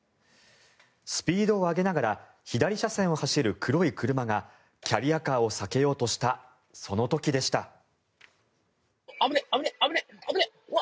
スピードを上げながら左車線を走る黒い車がキャリアカーを避けようとしたその時でした。